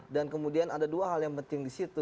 dan kemudian ada dua hal yang penting disitu